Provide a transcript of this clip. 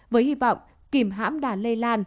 với hy vọng kìm hãm đàn lây lan